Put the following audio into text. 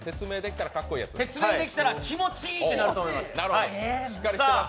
説明できたら気持ちいいってなると思います。